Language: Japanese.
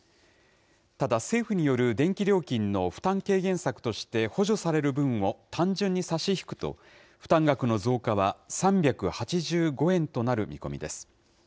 ただ、政府による電気料金の負担軽減策として補助される分を単純に差し引くと、負担額の増加は３８５円となる見込みです。